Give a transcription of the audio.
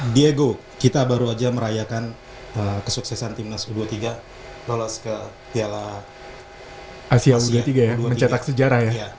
diego kita baru aja merayakan kesuksesan timnas u dua puluh tiga lolos ke piala asia u dua puluh tiga ya mencetak sejarah ya